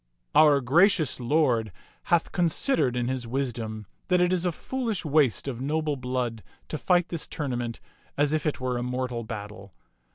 " Our gracious lord hath considered in his wisdom that it is a foolish waste of noble blood to fight this tournament as if it were a mortal battle.